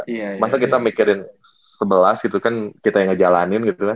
masalahnya kita mikirin sebelas gitu kan kita yang ngejalanin gitu lah